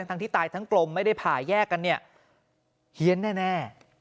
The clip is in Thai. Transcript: ทั้งที่ตายทั้งกลมไม่ได้ผ่าแยกกันเนี่ยเฮียนแน่